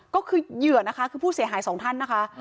ก็คือเหยื่อนะคะคือผู้เสียหายสองท่านนะคะ